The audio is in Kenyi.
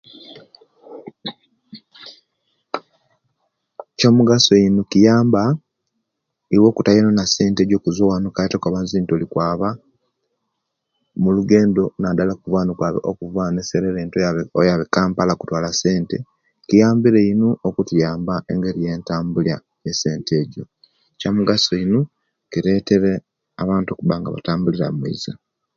Kyomugaso ino kiyamba iwe obutayonona sente Jo okuva wanu kaite okukoba zenti olikwaba mulugendo nadala okuva wano serere oti oyabe kampala kutwala sente kiyambire inu okutuyamba engeri yentabulya ya'sente ejo kyomugaso inu kiretere abantu okuba nga batambulira moiza